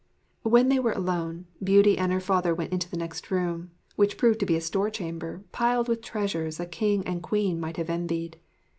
When they were alone, Beauty and her father went into the next room, which proved to be a store chamber piled with treasures a king and queen might have envied.